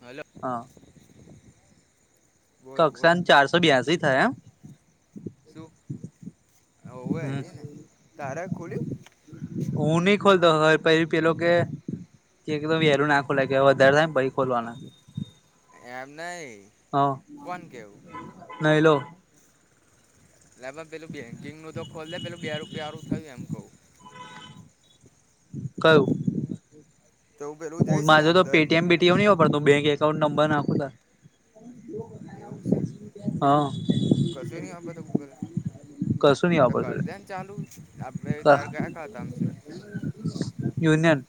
Hello. હા બોલ બોલ કક્ષા ચારસો બ્યાસી થયામ. શું ઓવે હમ હૈ ને તારે ખુલ્લયુ. હું નહી ખોલતો સવાર પહી પેલો કે. કે વેરું ના ખોલા કે વધારે થ પહી ખોલવાના. એમ નહી કોન કે એવું. ન ઇ લો. એ પેલું બેંકિંગ નું તો ખોલે પેલું બે રૂપિયા સારું થયું એમ કઉું. કયુ. તો પેલું હું જઈશ ને માજો તો અંદર પેટીએમ પીટીએમ ન વાપરતું બેં એકાઉન્ટ નંબર નાખોતાર. એવું છે કશું નહીં આપે તો ગૂગલ [unintelligible] હા કશું નહી તો વાપરતું. કરી દે ને ચાલુ છ આપડે તારે કયા ખાતામાં છે. [inaudible] યુનિયન.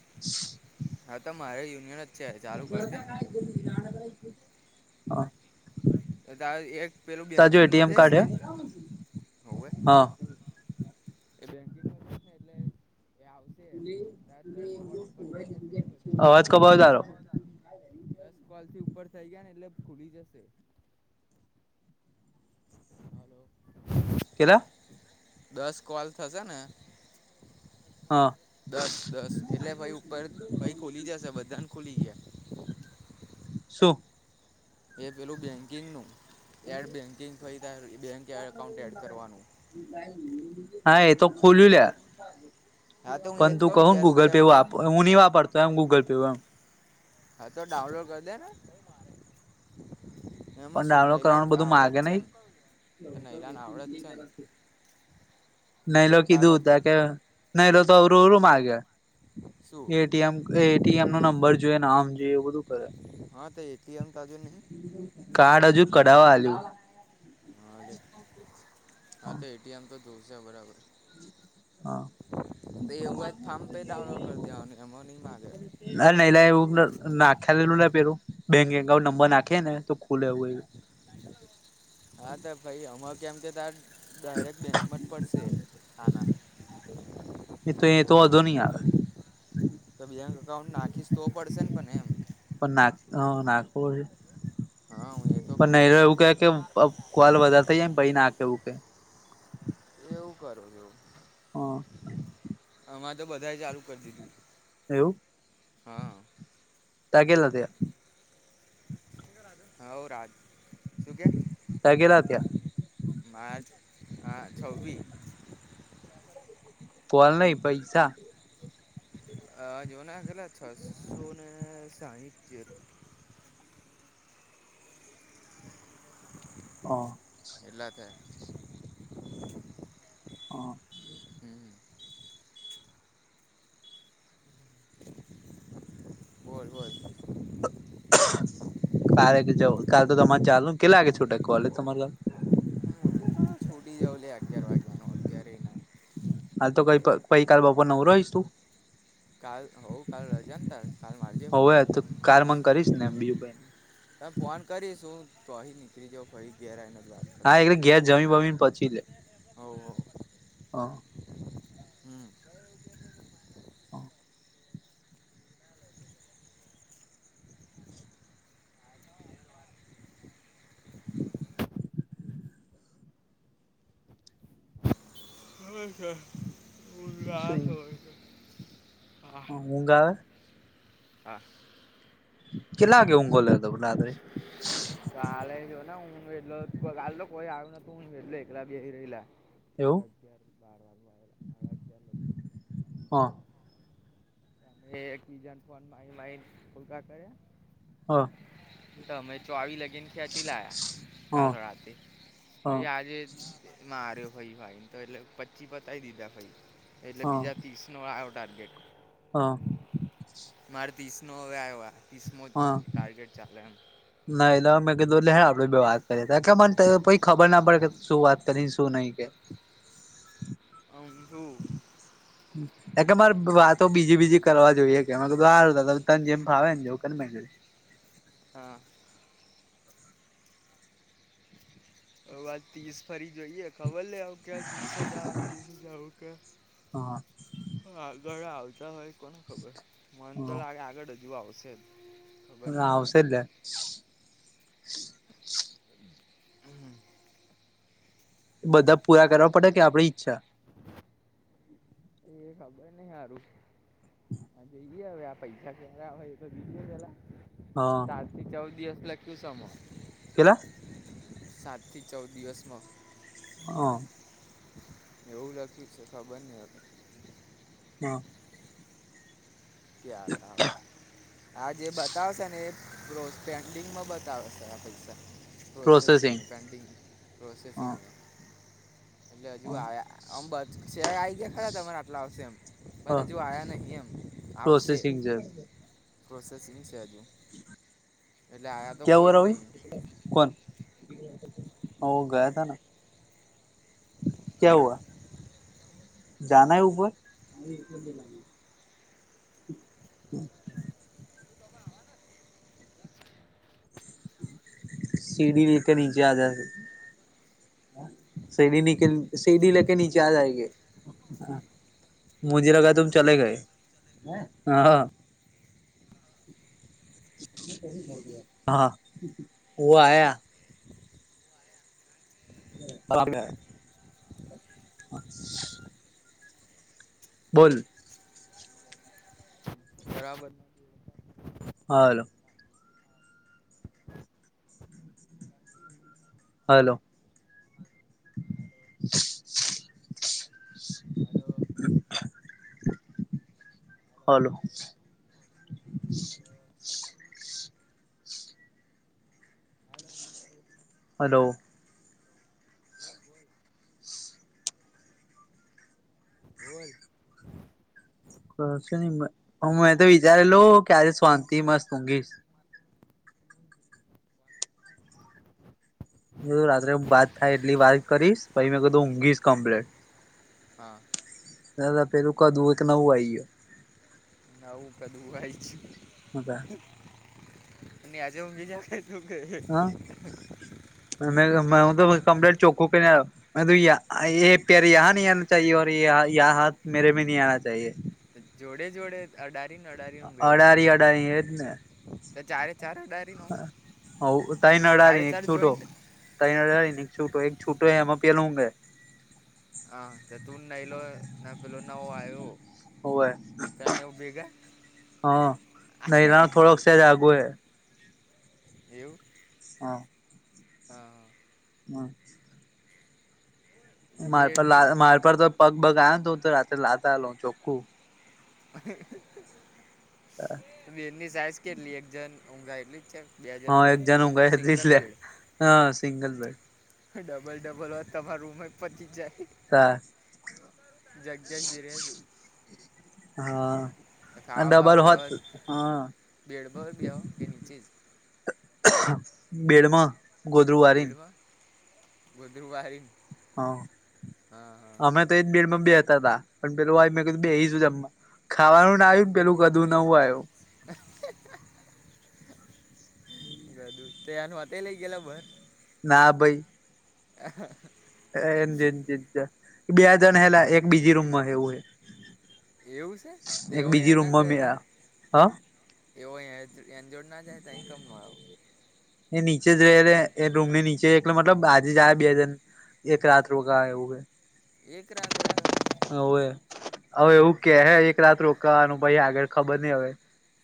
હા તો મારે યુનિયન. છે ચાલુ કરી દે [inaudible] તો તારે એક પેલું તાજો બેંકિંગમાં એટીએમ જઈશ કાર્ડ હે ને હોવે. હા એ બેંકિંગનું છેને એટલે. એ આવશે દસ કોલ ઉપર થઈ જશે એટલે બધાને અવાજ ખુલી કપાયો જવા તારો કાવો. દસ કોલ થી ઉપર થઇ ગયા ને એટલે ખુલી જશે. [inaudible] કેટલા. દસ કોલ થશે ને. હા દસ દસ એટલે ભાઈ ઉપર ભાઈ ખોલી જશે બધાને ખોલી ગયા. શું. એ પેલું બેન્કિંગનું એડ બેન્કિંગ થઈ ત બેંક એકાઉન્ટ એડ કરવાનું. [inaudible] હા એ તો ખોલયુ અલ્યા હા તો હું એ પણ જ તું ને બે કહું ગૂગલ પે રૂપિયા વાળું વાપરુ પણ હું નહીં વાપરતો એમ ગૂગલ પેમાં. હા તો ડાઉનલોડ કરી દેને [inaudible] એમાં પણ શું ડાઉનલોડ નૈલાન કરવાનું બધું આવડ માગે જ છે નહી ને નૈલાન આવડત જ છે ને. નહીલો તા કીધું બાપ ત કે નહી લો તો અવરુંરું માગે. શુ નો નંબર જોઈએ નામ જોએ એ બધું કરે. હા તો એટીએમ એમ તાજુ નહીં. કાર્ડ હજુ કઢાવવા આલયુ હાજ હા તો એટીએમ તો જોવશે બરાબર. હા તે એવું હોય ફેમ પે ડાઉનલોડ કર લેવાનુ એમા નહી માંગે ના ન લ એવું નાખ્યા લલું ના પેરું બેંક નંબર નાખે ને તો ખુલે એવુંયું. હા તો ભાઈ અમ કેમ કે ત. ડાયરેક્ટ બેંકમાં જ પડશે હાના. એ તો એ તો વધો નહી આવે. તો બેંક અકાઉંન્ટ નાખીશ તો પડશે ને પણ એમ. પણ ના હ નાગપુર છે હા હું એ તો કહું પણ નરો તને એવું કે કે. કલ વધારા થઈાય એમ ભ નાખ એવું કે. એવું કરું એવું. હાં અમાં તો બધા ચાલુ કરી દીધું. એવું. હા. તારે કેટલા થયા હવ રાજા હા રાજ શું ક્યા. તારે કેટલા થયા મારે હા છબ્બીસ હ. કોલ નહી પૈસા. અ જોને કેટલા છસ્સો સાહીઠ [inaudible] હા. કેટલા થયા હા. હમ. હોય હોય. કાલે જ કાલ તો તમારે ચાલનું કેટલા લાગે છૂટા કોલેજ તમારું. હ તો છોડી જઉ લે અગિયાર વાગ્યા ન અગિયાર ના. હાલ તો ક કઈ કલ બપર નવું રહીશ તું. કાલ હો કાલ રજાાન ત કાલ મારજે ફોન હોવે હું તો કાલ મારીશ. મન કરીશ ને બીજું કઈ નઈ તમે ફોન કરીશું તોહી નીકળી જાાવ ફરી ઘેરા એને જ. હા એટલે ઘેર જમીમી ને પછી લે. હવ હા હમ. હા. હોય છે ઉજગાસ હોય છે. હ ઉંગ. હા. કેલાાગે ઉંગોલ દે. હ. કાલે ને ઊન વલો કા કોઈ આવ ન ઊન વ એકલા બી રલા. અ એવું અગયાર બાર વાગગાર. હા. એ એકિજન ફ માઇ માઇ ખુલ્કા કર્યા. હા તમે ચોવી લગીન ખેંચી લયા હા કાલ રાતે. તો હા એ આજે. માર્યો ફાઈ ભાઈને તો એટલે પચી પતાવી દીધા ભાઈ એટલે હા બીજા ત્રીસ. નોળડા આવટાર ગેટ. હા. મારે ત્રીસ નો હવે આવ્યો ત્રીસ મો હા ટાર્ગેટ ચાલે એમ. ના એલે મેં કીધું લે આપડે વાત કરી ત કે મને ખબર ના પડે કે શું વાત કરીને શું નહી કે. અમ હું. એ કે મારે વાતો બીજી બીજી કરવા જોઈએ કેધ સારું. ત જેમાવ ને એવું કેને. હા. હ આજ ત્રીસ ફરી જોઈએ ખબર લે આવ. દીસ હજાર ત્રીસ હજાર હા આગળ આવતા હોય. કોને ખબર મન હ તો લાગે આગળ હજુ આવશે જ. ખબર હ નહીં હવે આવશે લ. હ. બધા પૂરા કરવા પડે કે આપણી ઈચ્છા. એ ખબર નહ સારું. હ જોઈએ હવે આ પૈસા ક્યારે હોય તો બીજે પેલા. હા. ચાર થી ચૌદ દિવસ લખ્યું સમ. કેલા. સાત થી ચૌદ દિવસમાં. હા. એવું [inaudible] છે ખબરને અવે હ ક્યારે આવે આ જે બતાવશે ને એ [inaudible] પ્રોસેસિંગ પેન્ડિંગ હ પ્રોસેસિંગનુ એટલે [inaudible] [inaudible] આવશે પ્રોસેસિંગ છે પ્રોસેસિંગ છે હજુ એટલે આવ્યા તો ક્યા કોઈ હુવા જ રવિ... નહીં કોન ઓ ગયા [unintelligible] [inaudible] [unintelligible] [inaudible] સીધી રીતે નીચે આ જા સીડી લેકે નીચે આ જાયેંગે. મુજબ લગા તુમ ચલે ગયે. હહહ હા [unintelligible] [inaudible] બોલ બરાબર હાલો હાલો હાલો હાલો હાલો [inaudible] હાલો - [inaudible] બોલ મેં તો વિચારેલુ કે આજે શોંતિ હી મસ્ત ઉંગીસ [inaudible] રાત્રે વાત થાયએટલી વાત કરીશ પછી મેં કીધું ઊંઘીશ કમ્પ્લેટ હા પેલુ [unintelligible] એક નવુ આયી ગયુ [unintelligible] [inaudible] આજે ઊંઘી [inaudible] [inaudible] હું તો કમ્પ્લેટ ચોખ્ખુ કય ન આયો [unintelligible] જોડે જોડે અડારીન અડારીન ઊંઘે એવુ શે અડારી અડારી એજ ને તો ચારે ચાર અડારીન આમ ચારે ચાર જોઈન્ટ તણય અડારીન અન એક શુટો--એક શુટો એમા પેલો ઊંઘે [unintelligible] તો એને ભેગા [unintelligible] એવું હા હા હા [unintelligible] તો બેડની માર પર તો પગ બગ આયો ન તો હું તો લાત આલુ ચોખ્ખું [inaudible] ત બેડની સાઈઝ કેટલી એક જન ઊંઘાય એટલી જ છે બે હા જનનુ એક જણ ઊંઘે એટલી જ સિંગલ લે બેડ હા સિંગલ બેડ. ડબલ ડબલ હોત તમાર રુમ પચી જાય. તાર જગ્યા જી રહ છું. હા. અને ખાવા બાવા ડબલ હોત બેહો તો હા બેડ પર જ બેહો કે નીચે જ. બેડ મ દેડમાં વધુ વારીને. હા અમે તો એજ બેડમાં બેતા હતા પણ પેલું મેં કધું બેશું જમમાં. ખાવાનું ના આવ્યું ને પેલું કધું નવું આવ્યું. [inaudible] બધું તનું વાતેય લઇ ગેલા ભર. ના ભાઈ. આ હ હ.. [unintelligible] એ બે જણ હેલા એક બીજી રૂમમાં એવું હ. એવું છે તેવો બીજી એ ના રૂમમાં મે જાય આ તારે. હા એવો એ એન જોડ ના જાય અઇ કેમ નો આવો. એ નીચે જોઈ રહેલે એ રૂમ ની નીચે એટલે મતલબ આજે જ આવે બે જન. એક રાત્ર રોકા હવે. એક રાહતોગ. હવે હવે એવું કે હે એક રાત રોકાવાનું પાઈ આગળ ખબર નઈ હવે.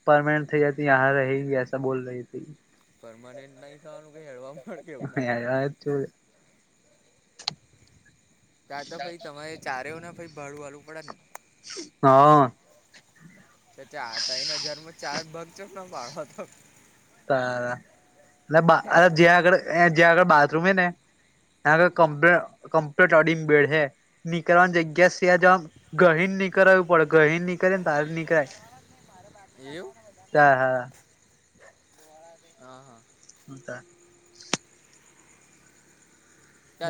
પરમાનેન્ટ થઈ આ રહી ગયા બોલ રહી તથી. પરર્માનન્ટ નહી થવાનું ક હળવા. તમે આવ્યા જોડે. દાદા ભાઈ તમારે ચારેયોને ભાઈ ભાડું વાળું પડે ને. હા. તે ચાઆ ત્રણ હજાર ચાર ભગચ ન પાળો હતો. તારા લેવા અરે જ્યાં આગળ જ્યાં આગળ બાથરૂમ હે ને. નાવે કંપ્લે કંપ્લેન્ટટ અડીંગ બેડ હે. નીકળવાની જગ્યા સેજ આમ ગહીને નીકળું પડે ગહી ની. કર બાર નીકળ એવું હા હા.. હા, હા.. હું તા.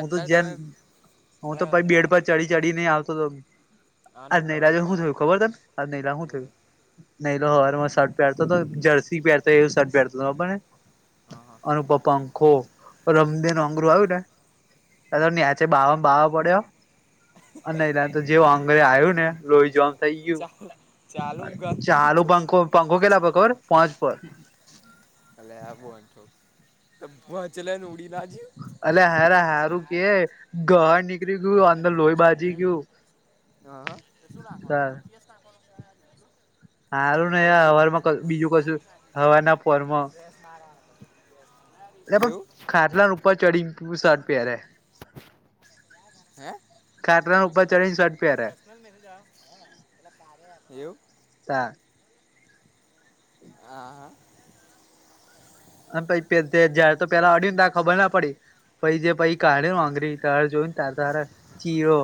હું તો જેન તમે હું અ તો પ ભા બેડ પર ચડી ચડી નહી આવતો હતો. આનું આજ નૈરાજ ભાડું શું તમારે થયું ખબર તને આ નૈરા શું થયું. નઈ હવારમાં શટ પહેરતો હતો તો જર્સી પહેરતો એવું શર્ટ. ઘરનો પટે હા હા અને ઉપર પંખો રમદે ન આંગરું આવ્યું ને. અને નેચે બાવ બાવો પડ્યો અને ન જે અંગરે આવ્યું ને લોહી. જો આમ થઈ ગયું ચાલ ચાલુ ગાલી ચાલુ દીધું પંખો પંખો કેલા પર ખબર પાંચ પર. અલયા આવુ હતુ બચલે ને ઉડી ના જીયુ. અલયા હાર હારું કે ગ ની. ચાલુ શ હ હ... [unintelligible] સારું ક ને યાર જીપીએસ નાખ હવારમાં વાની. બીજું કશું એ પણ ખટલાન ઉપર ચડીી. શર્ટ પર હે ખટરાનું ઉપર ચડી શર્ટ પહેને. એવુું? તા. હા, હા.. પછી જયારે તો પેલા અડ ને ત ખબર ના પડી પછી જે પછી. કાઢે વાગરી તારે જોઈને તાર તારા ચીરો.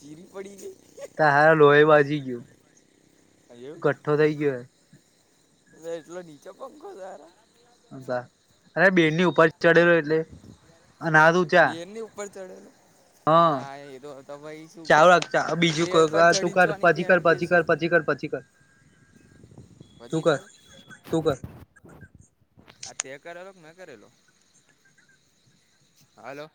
ચીરી પડી ગઈ તારા લોહી બાજી ગયું કઠ્ઠો થઇ ગયો. અ એટલો નીચો પંખો તારા અરે બેડની ઉપર ચડેલો એટલે અનાથ ઉચા ની ઉપર ચઢેલો. હા ચાવ કરે બીજું બેડ પર તું ચડીને કર ચોની પછી કર પેરતી પછી હશે કર પછી કર પછી તું હજી કર કરું તું કર આ તે કરેલો કે મેં કરેલો હાલો.